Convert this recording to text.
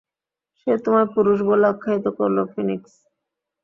সে তোমায় পুরুষ বলে আখ্যায়িত করলো, ফিনিক্স।